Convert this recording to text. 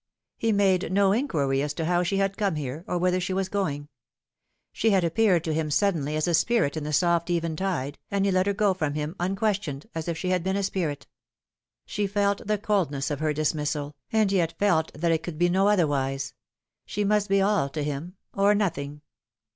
He made no inquiry as to how she had come there, or whither she was going. She had appeared to him suddenly as a spirit in the soft eventide, and he let her go from him un questioned, as if she had been a spirit. She felt the coldness of her dismissal, and yet felt that it could be no otherwise. She must be all to him or nothing.